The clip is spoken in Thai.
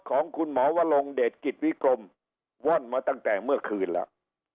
ของคุณหมอวลงเดชกิจวิกรมว่อนมาตั้งแต่เมื่อคืนแล้ว